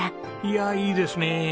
いやいいですねえ